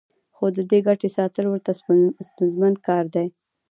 خو د دې ګټې ساتل ورته ستونزمن کار دی